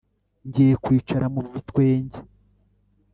Ngiye kwicara mu bitwenge